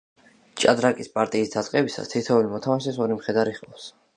ჭადრაკის პარტიის დაწყებისას თითოეულ მოთამაშეს ორი მხედარი ჰყავს.